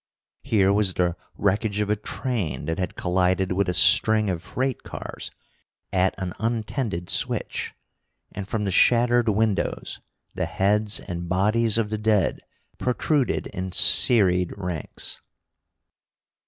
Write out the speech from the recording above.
Here was the wreckage of a train that had collided with a string of freight cars at an untended switch, and from the shattered windows the heads and bodies of the dead protruded in serried ranks.